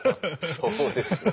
そうですね。